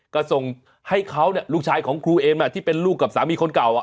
ก็ส่งให้เขาลูกชายของครูเอ็มที่เป็นลูกกับสามีคนเก่า